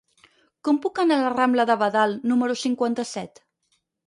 Com puc anar a la rambla de Badal número cinquanta-set?